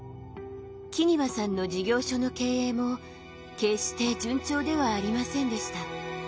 木庭さんの事業所の経営も決して順調ではありませんでした。